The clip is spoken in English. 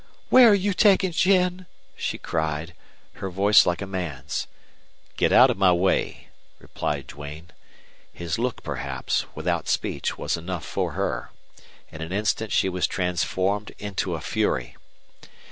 "Where 're you taking Jen?" she cried, her voice like a man's. "Get out of my way," replied Duane. His look perhaps, without speech, was enough for her. In an instant she was transformed into a fury.